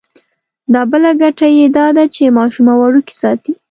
دا بله ګټه یې دا ده چې ماشومه وړوکې ساتي.